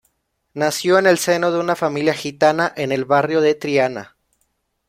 Nació en el seno de una familia gitana en el barrio de Triana.